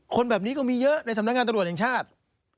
แบบนี้ก็มีเยอะในสำนักงานตำรวจแห่งชาติ